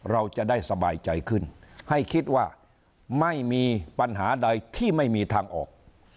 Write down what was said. เราจะได้สบายใจขึ้นให้คิดว่าไม่มีปัญหาใดที่ไม่มีทางออก